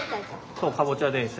そうかぼちゃ電車。